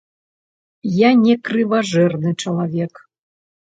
Я не крыважэрны чалавек.